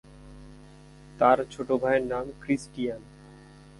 তার ছোট ভাইয়ের নাম ক্রিস্টিয়ান।